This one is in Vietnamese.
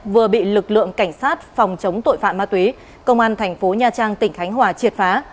vừa bị lực lượng cảnh sát phòng chống tội phạm ma túy công an thành phố nha trang tỉnh khánh hòa triệt phá